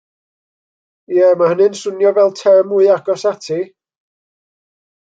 Ie mae hynny'n swnio fel term mwy agos ati.